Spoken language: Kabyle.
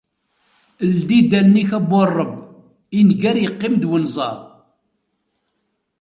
Lli-d allen-ik a bu ṛebb, i nger yeqqim-d wenẓad.